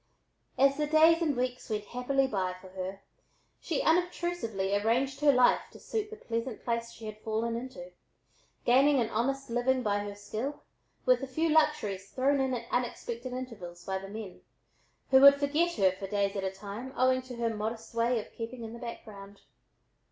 As the days and weeks went happily by for her, she unobtrusively arranged her life to suit the pleasant place she had fallen into, gaining an honest living by her skill, with a few luxuries thrown in at unexpected intervals by the men, who would forget her for days at a time, owing to her modest way of keeping in the background.